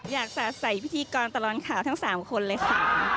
อยากจะใส่พิธีกรตลอดข่าวทั้ง๓คนเลยค่ะ